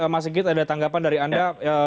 mas sigit ada tanggapan dari anda